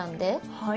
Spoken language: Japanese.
はい。